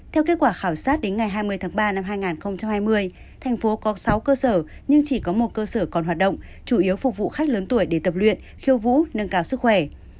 theo kết quả khảo sát đến ngày hai mươi tháng ba năm hai nghìn hai mươi thành phố có sáu cơ sở nhưng chỉ có một cơ sở còn hoạt động chủ yếu phục vụ khách lớn tuổi để tập luyện khiêu vũ nâng cao sức khỏe